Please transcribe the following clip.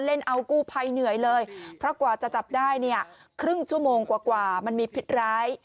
เล่นเอากู้ภัยเหนื่อยเลยเพราะกว่าจะจับได้เนี่ยครึ่งชั่วโมงกว่ามันมีพิษร้าย